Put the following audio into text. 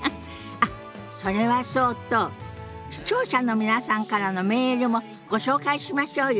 あっそれはそうと視聴者の皆さんからのメールもご紹介しましょうよ。